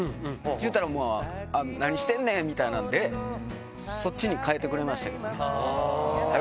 そしたら、何してんねんみたいなので、そっちに変えてくれましたよね。